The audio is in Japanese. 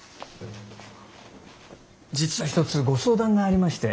実は一つご相談がありまして。